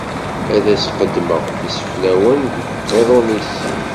Ad as-qeddmeɣ iseflawen deg uqiḍun-is.